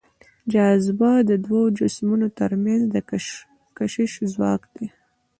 جاذبه د دوو جسمونو تر منځ د کشش ځواک دی.